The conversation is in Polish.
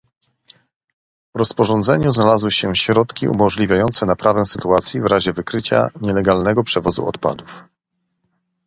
W rozporządzeniu znalazły się środki umożliwiające naprawę sytuacji w razie wykrycia nielegalnego przewozu odpadów